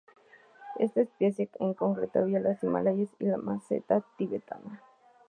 Esta especie en concreto habita los Himalayas y la meseta tibetana.